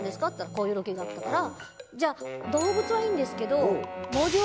「こういうロケがあったから」。